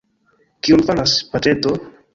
Kion faras patreto?